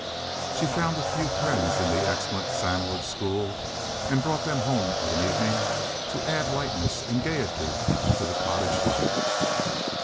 She found a few friends in the excellent Sandwood school, and brought them home of an evening to add lightness and gaiety to the cottage life.